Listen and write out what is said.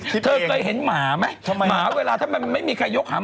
คิดเองเลยเธอเคยเห็นหมามั้ยหมาเวลาถ้ามันไม่มีใครยกหัง